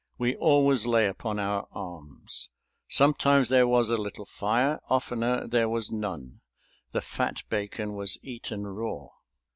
We always lay upon our arms. Sometimes there was a little fire, oftener there was none. The fat bacon was eaten raw.